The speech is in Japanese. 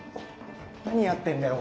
何やってんだよ。